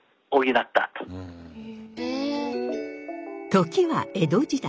時は江戸時代。